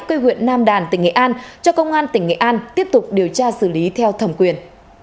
quê huyện nam đàn tỉnh nghệ an cho công an tỉnh nghệ an tiếp tục điều tra xử lý theo thẩm quyền